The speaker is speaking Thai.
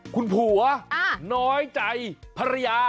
คุณผัวน้อยใจภรรยา